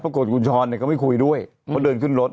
ปรากฏคุณช้อนก็ไม่คุยด้วยเพราะเดินขึ้นรถ